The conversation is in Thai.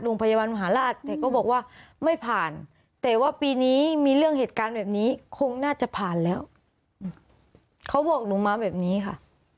โรงพยาบาลมหาราชแต่ก็บอกว่าไม่ผ่านแต่ว่าปีนี้มีเรื่องเหตุการณ์แบบนี้คงน่าจะผ่านแล้วเขาบอกหนูมาแบบนี้ค่ะ